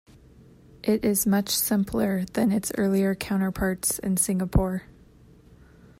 It is much simpler than its earlier counterparts in Singapore.